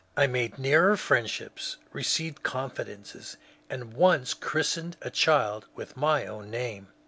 I made nearer friendships, received confidences, and once christened a child with my own name.